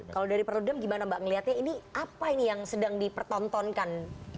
kalau dari perludem gimana mbak ngelihatnya ini apa ini yang sedang dipertontonkan